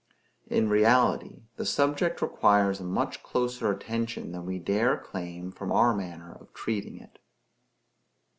In reality, the subject requires a much closer attention than we dare claim from our manner of treating it.